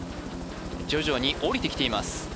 徐々に下りてきています